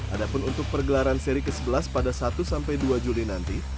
ada pun untuk pergelaran seri ke sebelas pada satu sampai dua juli nanti